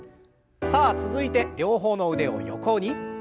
さあ続いて両方の腕を横に。